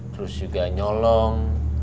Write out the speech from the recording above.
terus juga nyolong